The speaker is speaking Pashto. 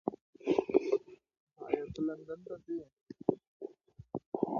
ایا ته لندن ته ځې؟